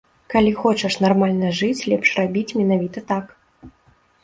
Калі хочаш нармальна жыць, лепш рабіць менавіта так.